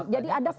jadi ada fakta